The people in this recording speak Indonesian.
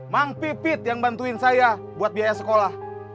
mang pipit yang bantuin saya buat biaya sekolah